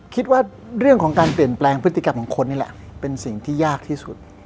คิดว่าเรื่องของการเปลี่ยนแปลงพฤติกรรมของคนนี่แหละเป็นสิ่งที่ยากที่สุด